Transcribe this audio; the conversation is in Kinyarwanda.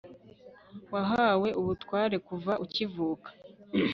wahawe ubutware kuva ukivuka